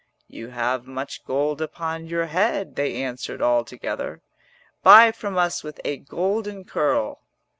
'You have much gold upon your head,' They answered all together: 'Buy from us with a golden curl.'